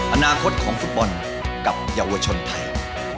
อนาคตของฟุตบอลกับเยาวชนไทย